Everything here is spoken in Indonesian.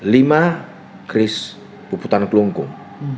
lima kris puputan kelungkung